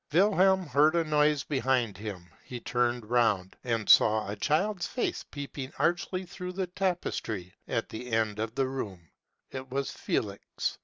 Wilhelm heard a noise behind him : he turned round, and saw a child's face peeping archly through the tapestry at the end of the room ; it was Felix.